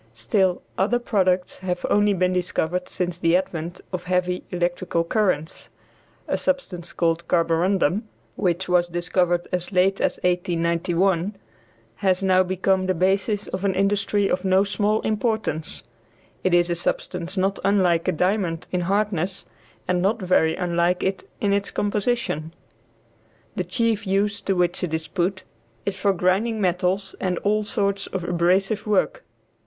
Still other products have only been discovered since the advent of heavy electrical currents. A substance called carborundum, which was discovered as late as 1891, has now become the basis of an industry of no small importance. It is a substance not unlike a diamond in hardness, and not very unlike it in its composition. The chief use to which it is put is for grinding metals and all sorts of abrasive work.